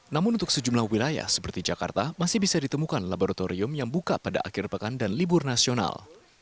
namun untuk sejumlah wilayah seperti jakarta masih bisa ditemukan laboratorium yang buka pada akhir pekan dan libur nasional